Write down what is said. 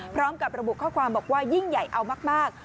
พร้อมกับระบุข้อความบอกว่ายิ่งใหญ่เอามาก